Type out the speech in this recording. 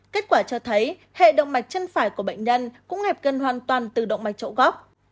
kết quả cho thấy hệ động mạch chân phải của bệnh nhân cũng hẹp gân hoàn toàn từ động mạch trộn góc